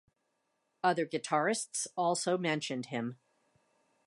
Other guitarists also mentioned him.